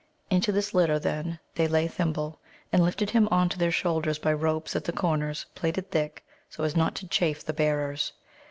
Into this litter, then, they laid Thimble, and lifted him on to their shoulders by ropes at the corners, plaited thick, so as not to chafe the bearers.